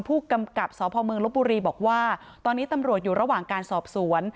ผู้กำกับสพเมืองลบบุรีบอกว่าตอนนี้ตำรวจอยู่ระหว่างการสอบสวน